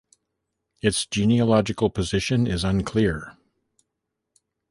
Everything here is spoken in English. Its genealogical position is unclear.